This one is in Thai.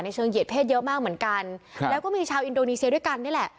เชิงเหยียดเพศเยอะมากเหมือนกันครับแล้วก็มีชาวอินโดนีเซียด้วยกันนี่แหละ